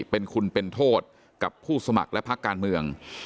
เป็นคุณเป็นโทษกับผู้สมัครและพักการเมือง